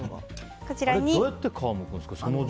どうやって皮むくんですか？